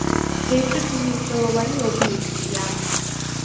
რეწვის მნიშვნელოვანი ობიექტია.